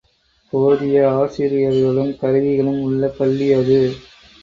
போதிய ஆசிரியர்களும் கருவிகளும் உள்ள பள்ளி அது.